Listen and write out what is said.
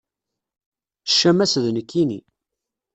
Ccama-s d nekkinni.